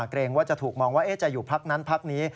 เกรงว่าจะถูกมองว่าจะอยู่พักนั้นพักนี้